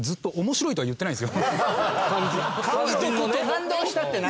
感動したって何？